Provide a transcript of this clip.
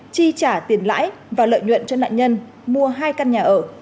chi trả tiền lãi và lợi nhuận cho nạn nhân mua hai căn nhà ở